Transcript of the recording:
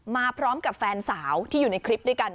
มาพร้อมกับแฟนสาวที่อยู่ในคลิปด้วยกัน